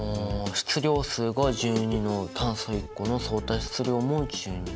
質量数が１２の炭素１個の相対質量も１２。